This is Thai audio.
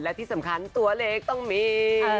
และที่สำคัญตัวเลขต้องมี